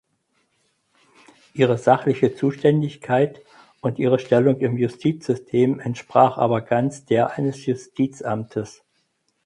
Ihre sachliche Zuständigkeit und ihre Stellung im Justizsystem entsprach aber ganz der eines Justizamtes.